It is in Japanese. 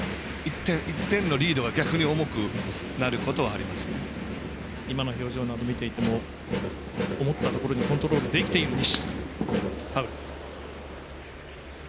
１点のリードが逆に重くなることは今の表情など見ていても思ったところにコントロールできている西。